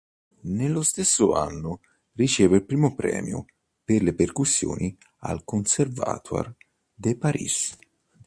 Nello stesso anno riceve il primo premio per le percussioni al Conservatoire de Paris.